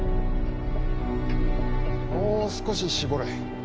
もう少し絞れ。